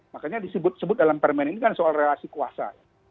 makanya disebut dalam permainan ini kan soal relasi kuasa